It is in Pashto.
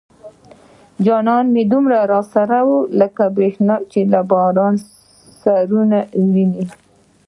جانانه دومره را سره واي لکه بريښنا چې د بارانه سره وينه